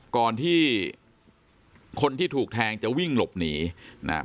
ก่อนที่คนที่ถูกแทงจะวิ่งหลบหนีนะครับ